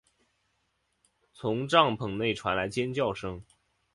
从帐篷内传来尖叫声